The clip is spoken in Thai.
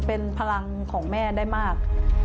เป็นพลังของแม่ได้มาก